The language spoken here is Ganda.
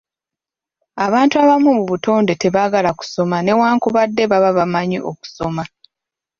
Abantu abamu mu butonde tebaagala kusoma newankubadde baba bamanyi okusoma.